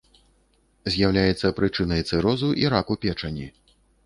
З'яўляецца прычынай цырозу і раку печані.